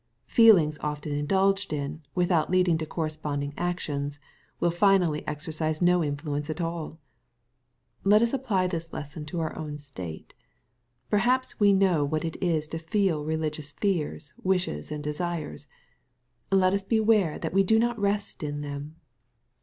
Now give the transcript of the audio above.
Feelings often indulged in, without leading to corresponding actions^ will finally exercise no influence at all. Let us apply this lesson to our own state. Perhaps we know what it is to feel religious fears, wishes, and desires. Let us beware that we do not rest in them.